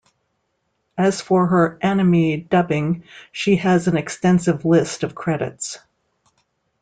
As for her anime dubbing, she has an extensive list of credits.